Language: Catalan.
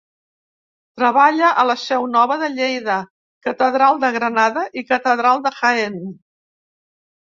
Treballa a la Seu Nova de Lleida, Catedral de Granada i Catedral de Jaén.